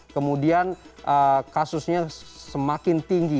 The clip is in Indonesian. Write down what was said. kemudian kasusnya semakin tinggi